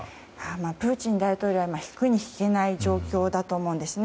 プーチン大統領は今、引くに引けない状況だと思うんですね。